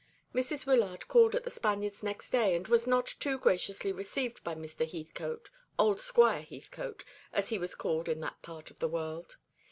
Mrs. Wyllard called at The Spaniards next day, and was not too graciously received by Mr. Heathcote old Squire Heathcote, as he was called in that part of the world.